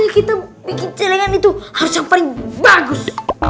kita bikin itu harus bagus